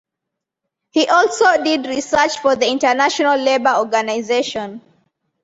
He also did research for the International Labour Organization.